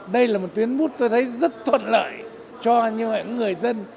đây là một tuyến bút tôi thấy rất thuận lợi cho những người dân